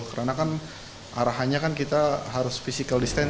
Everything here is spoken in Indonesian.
karena arahannya kan kita harus physical distancing